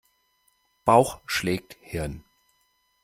Bauch schlägt Hirn.